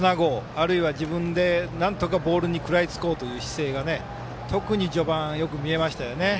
あるいは自分でなんとかボールに食らいつこうという姿勢が特に序盤、よく見えましたよね。